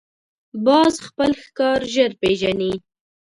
باز خپل ښکار ژر پېژني